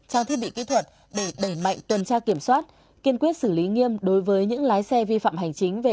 trang thiết bị kỹ thuật để đẩy mạnh tuần tra kiểm soát kiên quyết xử lý nghiêm đối với những lái xe vi phạm hành chính về